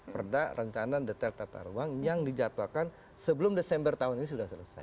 perda rencana detail tata ruang yang dijatuhkan sebelum desember tahun ini sudah selesai